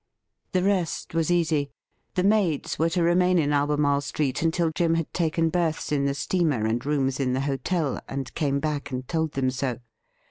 .The; rest was easy. The maids were to remain in Albemarle Street until Jim had taken berths in the steamer and rooms in the hotel, and came back and told them so.